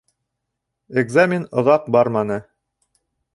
Экзамен оҙаҡ барманы